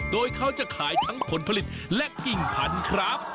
โดยเขาจะขายทั้งผลผลิตและกิ่งพันธุ์ครับ